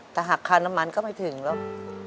แต่หักคารมันก็ไม่ถึงแล้ว